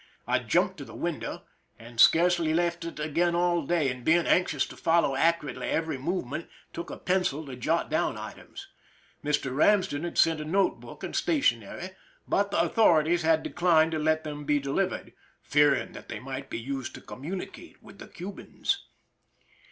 I jumped to the window, and scarcely left it again all day, and being anxious to follow accu rately every movement, took a pencil to jot down items. Mr. Ramsden had sent a note book and stationery, but the authorities had declined to let them be delivered, fearing that they might be used to communicate with the Cubans.